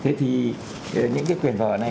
thế thì những cái quyển vở này